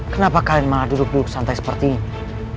kenapa kalian malah duduk duduk santai seperti ini